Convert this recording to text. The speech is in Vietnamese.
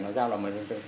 nó giao vào mọi dân tư